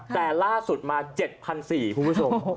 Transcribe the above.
แต่ล่าสุดมา๗๔๐๐คุณผู้ชม